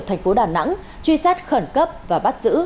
thành phố đà nẵng truy xét khẩn cấp và bắt giữ